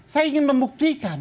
saya ingin membuktikan